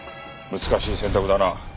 難しい選択だな。